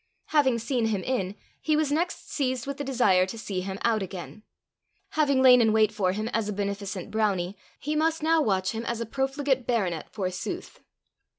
Having seen him in, he was next seized with the desire to see him out again; having lain in wait for him as a beneficent brownie, he must now watch him as a profligate baronet forsooth!